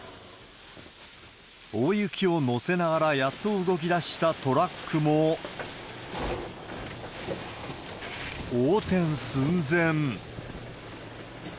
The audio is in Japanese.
大雪を載せながら、やっと動きだしたトラックも、横転寸前。